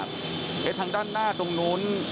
ทางด้านหน้าตรงนู้น